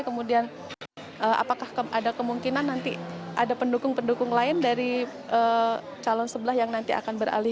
kemudian apakah ada kemungkinan nanti ada pendukung pendukung lain dari calon sebelah yang nanti akan beralih